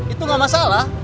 itu gak masalah